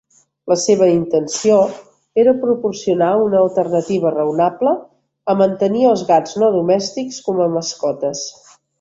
La seva intenció era proporcionar una alternativa raonable a mantenir els gats no domèstics com a mascotes.